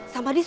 sampai di mana